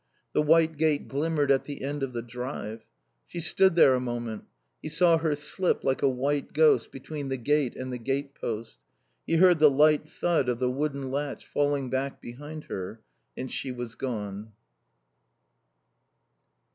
The white gate glimmered at the end of the drive. She stood there a moment. He saw her slip like a white ghost between the gate and the gate post; he heard the light thud of the wooden latch falling back behind her, and she was gone.